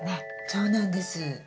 そうなんです。